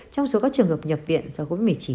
trong số các trường hợp nhập viện do covid một mươi chín